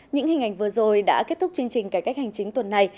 những hình ảnh vừa rồi đã kết thúc chương trình cải cách hành chính tuần này